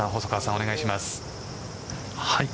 お願いします。